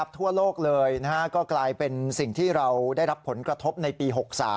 ทั่วโลกเลยก็กลายเป็นสิ่งที่เราได้รับผลกระทบในปี๖๓